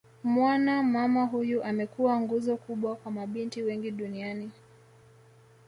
Mwana mama huyu amekuwa nguzo kubwa kwa mabinti wengi duniani